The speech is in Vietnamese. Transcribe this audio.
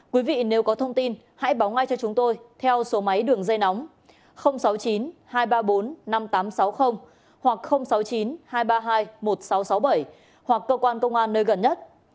quý vị nếu có thông tin hãy báo ngay cho chúng tôi theo số máy đường dây nóng sáu mươi chín hai trăm ba mươi bốn năm nghìn tám trăm sáu mươi hoặc sáu mươi chín hai trăm ba mươi hai một nghìn sáu trăm sáu mươi bảy hoặc cơ quan công an nơi gần nhất